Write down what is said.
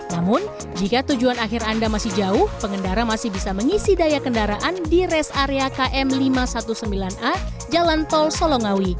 namun jika tujuan akhir anda masih jauh pengendara masih bisa mengisi daya kendaraan di res area km lima ratus sembilan belas a jalan tol solongawi